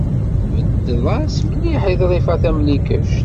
Tbedded-as mliḥ i Ḍrifa Tamlikect.